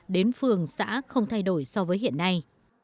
đến phường xã không thay đổi so với hiện nay